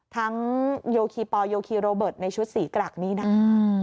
โยคีปอลโยคีโรเบิร์ตในชุดสีกรักนี่นะ